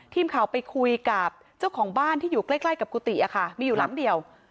ทีมข่าวไปคุยกับเจ้าของบ้านที่อยู่ใกล้กับกุฏิมีอยู่หลังเดียว